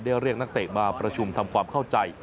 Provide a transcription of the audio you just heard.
เรียกนักเตะมาประชุมทำความเข้าใจ